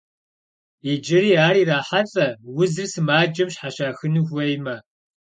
Иджыри ар ирахьэлӏэ узыр сымаджэм щхьэщахыну хуеймэ.